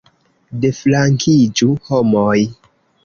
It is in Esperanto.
Deflankiĝu, homoj!